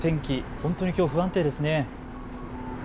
本当にきょう、不安定ですね。